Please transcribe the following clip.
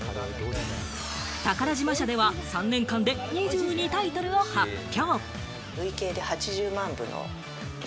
宝島社では３年間で２２タイトルを発表。